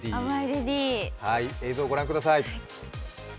映像をご覧ください。